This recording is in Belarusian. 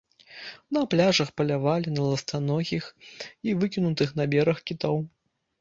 На пляжах палявалі на ластаногіх і выкінутых на бераг кітоў.